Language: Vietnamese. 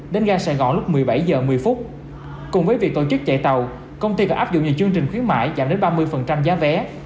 đến ga sài gòn lúc một mươi bảy h một mươi cùng với việc tổ chức chạy tàu công ty còn áp dụng nhiều chương trình khuyến mại giảm đến ba mươi giá vé